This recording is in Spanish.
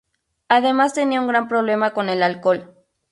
Además tenía un gran problema con el alcohol